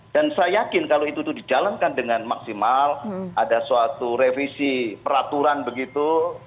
dan saya yakin kalau itu dijalankan dengan maksimal ada suatu revisi peraturan begitu